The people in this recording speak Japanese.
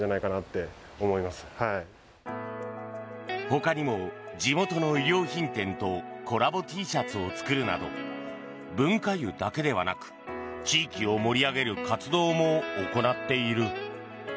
ほかにも地元の衣料品店とコラボＴシャツを作るなど文化湯だけではなく地域を盛り上げる活動も行っている。